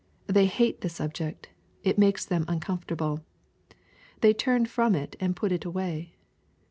They hate the subject. It makes them uncomfortable. They tarn from it and put it away.